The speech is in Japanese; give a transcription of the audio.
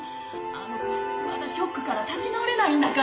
あの子まだショックから立ち直れないんだから。